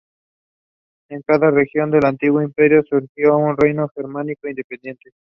En cada región del antiguo Imperio surgió un reino germánico independiente.